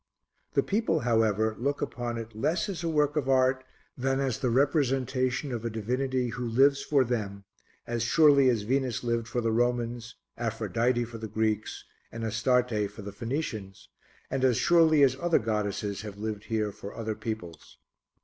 The people, however, look upon it less as a work of art than as the representation of a divinity who lives for them as surely as Venus lived for the Romans, Aphrodite for the Greeks and Astarte for the Phoenicians, and as surely as other goddesses have lived here for other peoples.